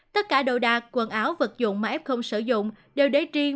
tất cả đồ đạc quần áo vật dụng mà ép không sử dụng đều đế riêng